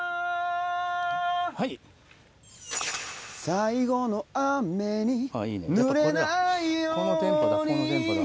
最後の雨に濡れないようにこのテンポだこのテンポだ。